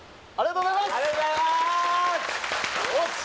ありがとうございますよっしゃ！